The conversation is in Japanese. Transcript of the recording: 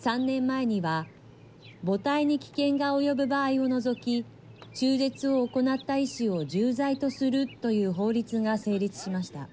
３年前には母体に危険が及ぶ場合を除き中絶を行った医師を重罪とするという法律が成立しました。